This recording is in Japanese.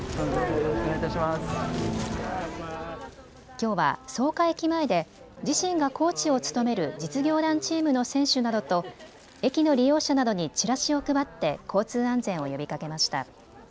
きょうは草加駅前で自身がコーチを務める実業団チームの選手などと駅の利用者などにチラシを配って交通安全を呼びかけました。